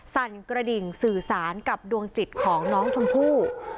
สั่นกระดิ่งสื่อสารกับดวงจิตของน้องชมพู่